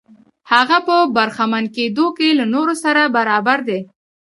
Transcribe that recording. هغه په برخمن کېدو کې له نورو سره برابر دی.